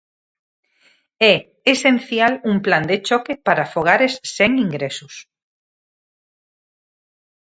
É esencial un plan de choque para fogares sen ingresos.